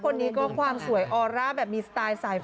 คนนี้ก็ความสวยออร่าแบบมีสไตล์สายไฟ